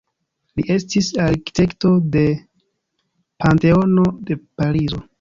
Li estis arkitekto de Panteono de Parizo.